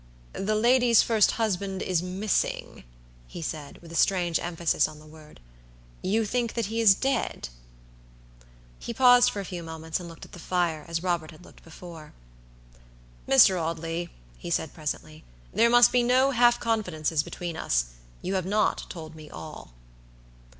"The lady's first husband is missing," he said, with a strange emphasis on the word"you think that he is dead?" He paused for a few moments and looked at the fire, as Robert had looked before. "Mr. Audley," he said, presently, "there must be no half confidences between us. You have not told me all."